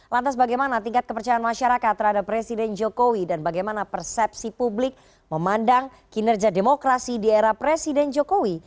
lantas bagaimana tingkat kepercayaan masyarakat terhadap presiden jokowi dan bagaimana persepsi publik memandang kinerja demokrasi di era presiden jokowi